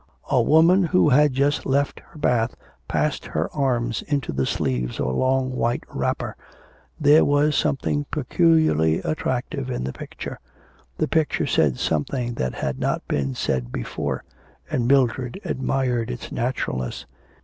A woman who had just left her bath passed her arms into the sleeves of a long white wrapper. There was something peculiarly attractive in the picture. The picture said something that had not been said before, and Mildred admired its naturalness.